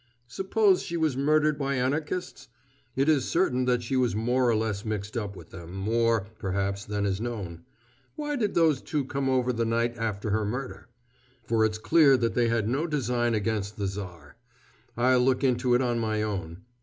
Suppose she was murdered by Anarchists? It is certain that she was more or less mixed up with them more, perhaps, than is known. Why did those two come over the night after her murder? for it's clear that they had no design against the Tsar. I'll look into it on my own.